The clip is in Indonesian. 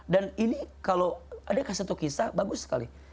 dan ini kalau ada satu kisah bagus sekali